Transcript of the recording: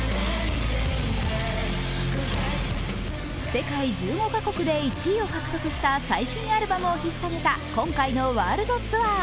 世界１５カ国で１位を獲得した最新アルバムをひっさげた今回のワールドツアー。